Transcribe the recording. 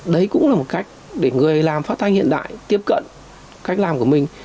đấy cũng là một cách để người làm phát thanh hiện đại tiếp cận cách làm của mình